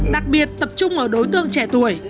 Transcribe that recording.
đặc biệt tập trung ở đối tượng trẻ tuổi